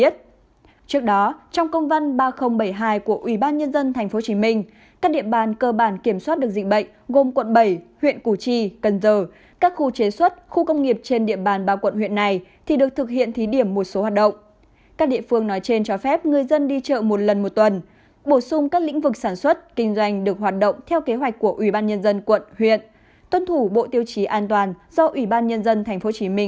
trước đó trong công văn ba nghìn bảy mươi hai của ủy ban nhân dân tp hcm các địa bàn cơ bản kiểm soát được dịch bệnh gồm quận bảy huyện củ chi cần giờ các khu chế xuất khu công nghiệp trên địa bàn ba quận huyện này thì được thực hiện thí điểm một số hoạt động